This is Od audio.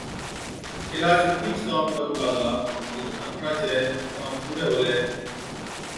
ڪيلاش اُٺِيچ ڪام ڪرُون لاگلا، جِڏ آنٿڻا چَي ڪام پُورَي هُلَي۔